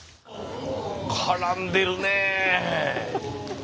絡んでるね！